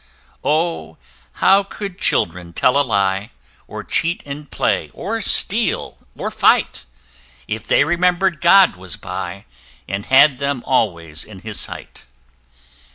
Oh! how could children tell a lie, Or cheat in play, or steal, or fight, If they remembered GOD was by, And had them always in his sight!